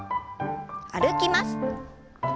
歩きます。